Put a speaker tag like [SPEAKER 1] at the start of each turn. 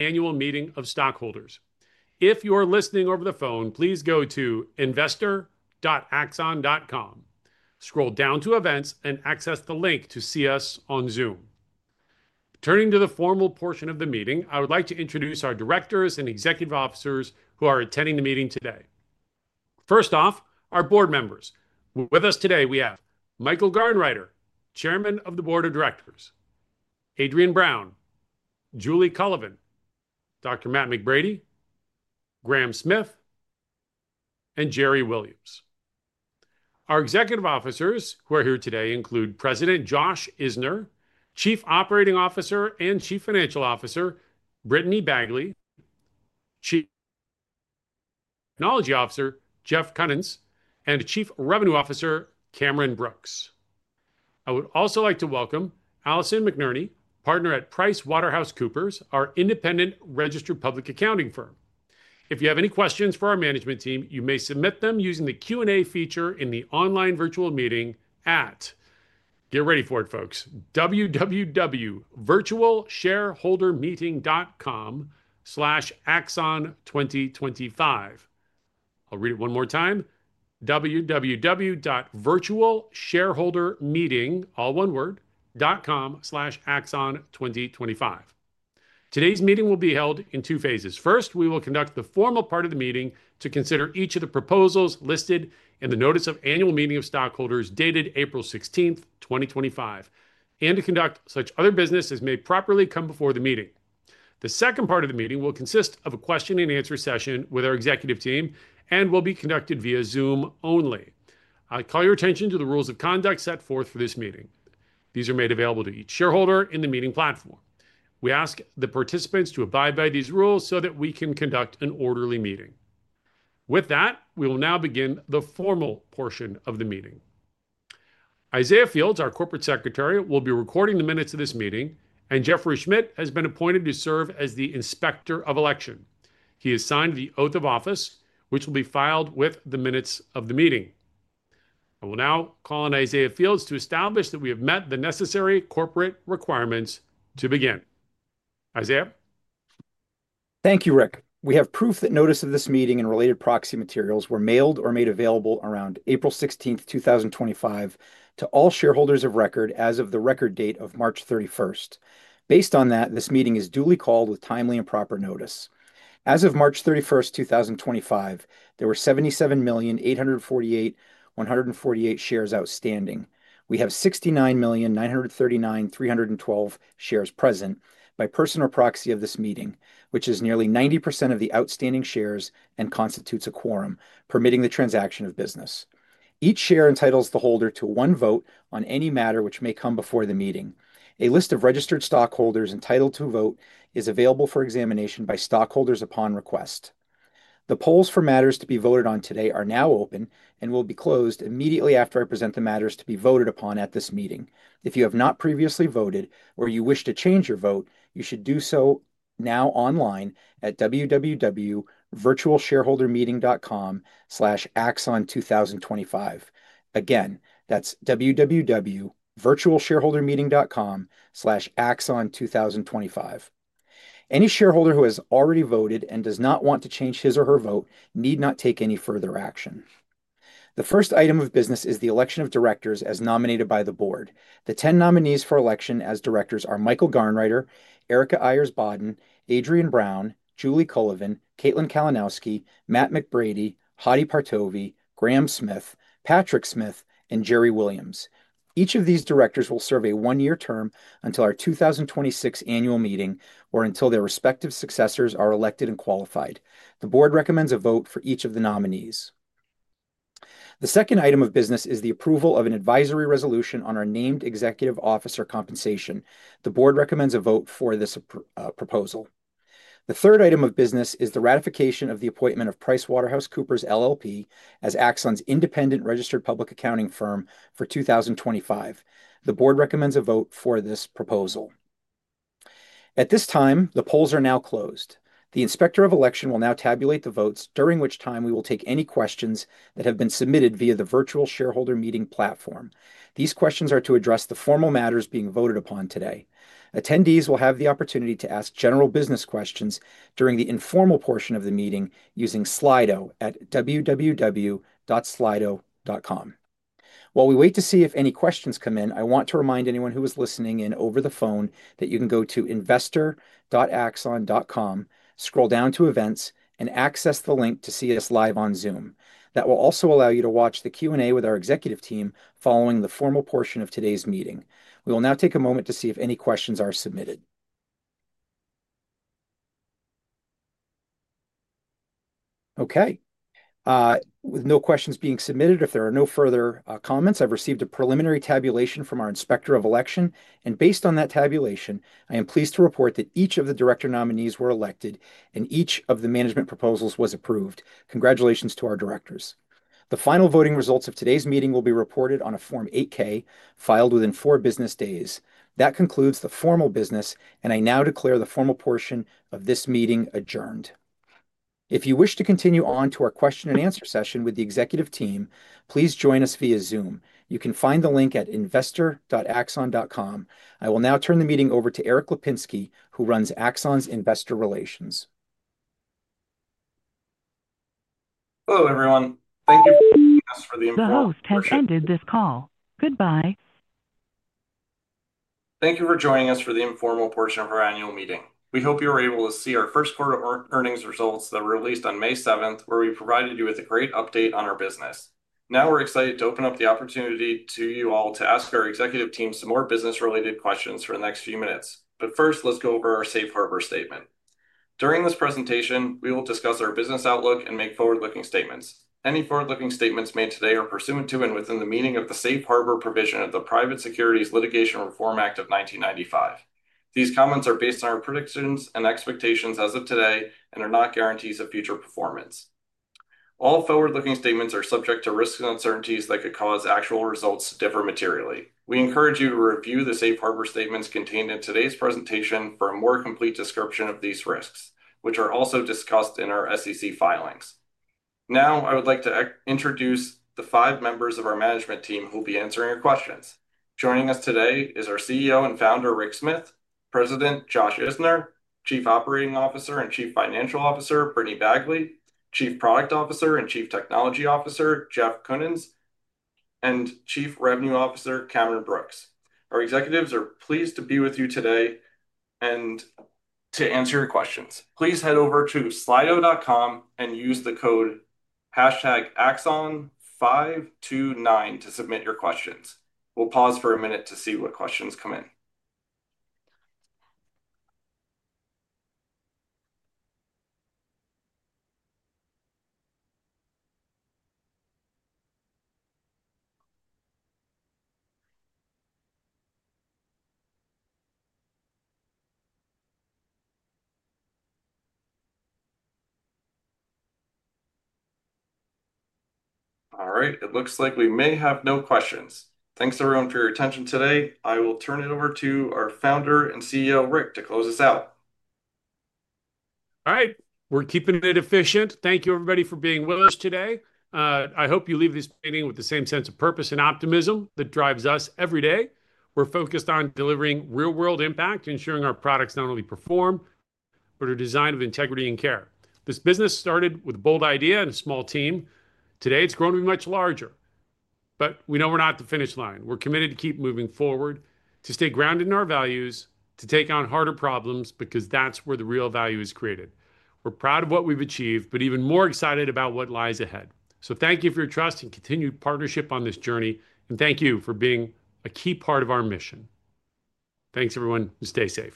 [SPEAKER 1] Annual Meeting of Stockholders. If you are listening over the phone, please go to investor.axon.com, scroll down to Events, and access the link to see us on Zoom. Turning to the formal portion of the meeting, I would like to introduce our directors and executive officers who are attending the meeting today. First off, our board members. With us today, we have Michael Garnreiter, Chairman of the Board of Directors; Adriane Brown; Julie Cullivan; Dr. Matt McBrady; Graham Smith; and Jeri Williams. Our executive officers who are here today include President Josh Isner, Chief Operating Officer and Chief Financial Officer Brittany Bagley; Chief Technology Officer Jeff Kunins; and Chief Revenue Officer Cameron Brooks. I would also like to welcome Alison McNerney, partner at PricewaterhouseCoopers, our independent registered public accounting firm. If you have any questions for our management team, you may submit them using the Q&A feature in the online virtual meeting at, get ready for it, folks, www.virtualshareholdermeeting.com/axon2025. I'll read it one more time: www.virtualshareholdermeeting, all one word, .com/axon2025. Today's meeting will be held in two phases. First, we will conduct the formal part of the meeting to consider each of the proposals listed in the Notice of Annual Meeting of Stockholders dated April 16, 2025, and to conduct such other business as may properly come before the meeting. The second part of the meeting will consist of a question-and-answer session with our executive team and will be conducted via Zoom only. I'll call your attention to the rules of conduct set forth for this meeting. These are made available to each shareholder in the meeting platform. We ask the participants to abide by these rules so that we can conduct an orderly meeting. With that, we will now begin the formal portion of the meeting. Isaiah Fields, our Corporate Secretary, will be recording the minutes of this meeting, and Jeffrey Schmidt has been appointed to serve as the Inspector of Election. He has signed the oath of office, which will be filed with the minutes of the meeting. I will now call on Isaiah Fields to establish that we have met the necessary corporate requirements to begin. Isaiah.
[SPEAKER 2] Thank you, Rick. We have proof that notice of this meeting and related proxy materials were mailed or made available around April 16, 2025, to all shareholders of record as of the record date of March 31. Based on that, this meeting is duly called with timely and proper notice. As of March 31, 2025, there were 77,848,148 shares outstanding. We have 69,939,312 shares present by person or proxy of this meeting, which is nearly 90% of the outstanding shares and constitutes a quorum, permitting the transaction of business. Each share entitles the holder to one vote on any matter which may come before the meeting. A list of registered stockholders entitled to vote is available for examination by stockholders upon request. The polls for matters to be voted on today are now open and will be closed immediately after I present the matters to be voted upon at this meeting. If you have not previously voted or you wish to change your vote, you should do so now online at www.virtualshareholdermeeting.com/axon2025. Again, that's www.virtualshareholdermeeting.com/axon2025. Any shareholder who has already voted and does not want to change his or her vote need not take any further action. The first item of business is the election of directors as nominated by the board. The t nominees for election as directors are Michael Garnreiter, Erika Ayers Badan, Adriane Brown, Julie Cullivan, Caitlin Kalinowski, Matt McBrady, Hadi Partovi, Graham Smith, Patrick Smith, and Jeri Williams. Each of these directors will serve a one-year term until our 2026 annual meeting or until their respective successors are elected and qualified. The board recommends a vote for each of the nominees. The second item of business is the approval of an advisory resolution on our named executive officer compensation. The board recommends a vote for this proposal. The third item of business is the ratification of the appointment of PricewaterhouseCoopers LLP as Axon's independent registered public accounting firm for 2025. The board recommends a vote for this proposal. At this time, the polls are now closed. The inspector of election will now tabulate the votes, during which time we will take any questions that have been submitted via the virtual shareholder meeting platform. These questions are to address the formal matters being voted upon today. Attendees will have the opportunity to ask general business questions during the informal portion of the meeting using Slido at www.slido.com. While we wait to see if any questions come in, I want to remind anyone who is listening in over the phone that you can go to investor.axon.com, scroll down to Events, and access the link to see us live on Zoom. That will also allow you to watch the Q&A with our executive team following the formal portion of today's meeting. We will now take a moment to see if any questions are submitted. Okay. With no questions being submitted, if there are no further comments, I've received a preliminary tabulation from our inspector of election, and based on that tabulation, I am pleased to report that each of the director nominees were elected and each of the management proposals was approved. Congratulations to our directors. The final voting results of today's meeting will be reported on a Form 8-K filed within four business days. That concludes the formal business, and I now declare the formal portion of this meeting adjourned. If you wish to continue on to our question-and-answer session with the executive team, please join us via Zoom. You can find the link at investor.axon.com. I will now turn the meeting over to Erik Lapinski, who runs Axon's investor relations.
[SPEAKER 3] Hello, everyone. Thank you for joining us for the informal portion.
[SPEAKER 4] The call has ended. This call. Goodbye.
[SPEAKER 3] Thank you for joining us for the informal portion of our annual meeting. We hope you were able to see our first quarter earnings results that were released on May 7, where we provided you with a great update on our business. Now we're excited to open up the opportunity to you all to ask our executive team some more business-related questions for the next few minutes. First, let's go over our Safe Harbor statement. During this presentation, we will discuss our business outlook and make forward-looking statements. Any forward-looking statements made today are pursuant to and within the meaning of the Safe Harbor provision of the Private Securities Litigation Reform Act of 1995. These comments are based on our predictions and expectations as of today and are not guarantees of future performance. All forward-looking statements are subject to risks and uncertainties that could cause actual results to differ materially. We encourage you to review the Safe Harbor statements contained in today's presentation for a more complete description of these risks, which are also discussed in our SEC filings. Now, I would like to introduce the five members of our management team who will be answering your questions. Joining us today is our CEO and founder, Rick Smith, President Josh Isner, Chief Operating Officer and Chief Financial Officer, Brittany Bagley, Chief Product Officer and Chief Technology Officer, Jeff Kunins, and Chief Revenue Officer, Cameron Brooks. Our executives are pleased to be with you today and to answer your questions. Please head over to slido.com and use the code #axon529 to submit your questions. We'll pause for a minute to see what questions come in. All right. It looks like we may have no questions. Thanks, everyone, for your attention today. I will turn it over to our Founder and CEO, Rick, to close us out.
[SPEAKER 1] All right. We're keeping it efficient. Thank you, everybody, for being with us today. I hope you leave this meeting with the same sense of purpose and optimism that drives us every day. We're focused on delivering real-world impact, ensuring our products not only perform but are designed with integrity and care. This business started with a bold idea and a small team. Today, it's grown to be much larger. We know we're not at the finish line. We're committed to keep moving forward, to stay grounded in our values, to take on harder problems because that's where the real value is created. We're proud of what we've achieved, but even more excited about what lies ahead. Thank you for your trust and continued partnership on this journey. Thank you for being a key part of our mission. Thanks, everyone, and stay safe.